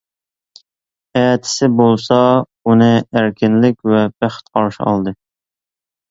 ئەتىسى بولسا ئۇنى ئەركىنلىك ۋە بەخت قارشى ئالدى!